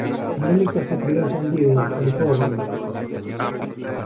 Monica se crio en San Diego, California.